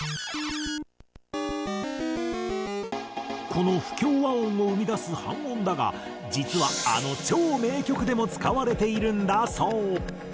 この不協和音を生み出す半音だが実はあの超名曲でも使われているんだそう。